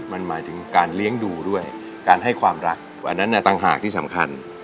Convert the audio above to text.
มันหมายถึงการเลี้ยงดูด้วยการให้ความรักอันนั้นต่างหากที่สำคัญ